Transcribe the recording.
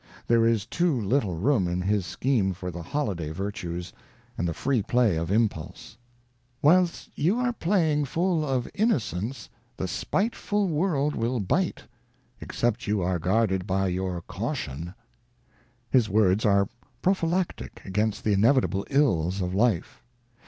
There is too little room in his scheme for the holiday virtues, and the free play of impulse. ' Whilst you are playing INTRODUCTION. xxi playing full of Innocence, the spitefuU World will bite, except yo^, are guarded by your Caution.' His words are a prop hylactic against the inevitable ills of life.